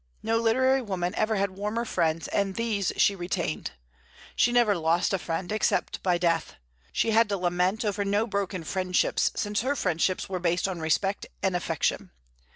No literary woman ever had warmer friends; and these she retained. She never lost a friend except by death. She had to lament over no broken friendships, since her friendships were based on respect and affection.